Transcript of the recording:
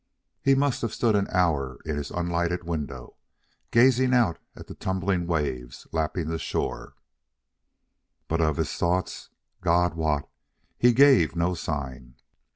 He must have stood an hour in his unlighted window, gazing out at the tumbling waves lapping the shore. But of his thoughts, God wot, he gave no sign.